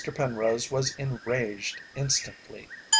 Penrose was enraged instantly.